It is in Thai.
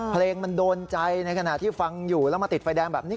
เพลงมันโดนใจในขณะที่ฟังอยู่แล้วมาติดไฟแดงแบบนี้